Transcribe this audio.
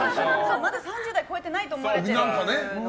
まだ３０代超えてないと思われてるので。